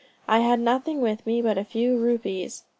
I had nothing with me but a few rupees.